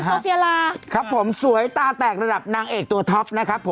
โซเฟียลาครับผมสวยตาแตกระดับนางเอกตัวท็อปนะครับผม